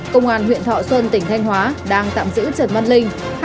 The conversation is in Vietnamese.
công an huyện thọ xuân tỉnh thanh hóa đang tạm giữ trần văn linh